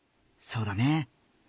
そうだね。